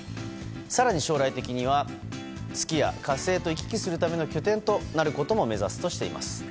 更に、将来的には月や火星と行き来するための拠点となることも目指すとしています。